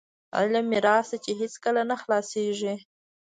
علم میراث دی چې هیڅکله نه خلاصیږي.